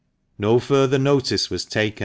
No further notice was taken